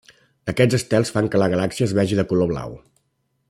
Aquests estels fan que la galàxia es vegi de color blau.